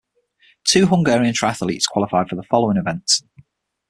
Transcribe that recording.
Two Hungarian triathletes qualified for the following events.